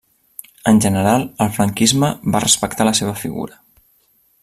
En general, el franquisme va respectar la seva figura.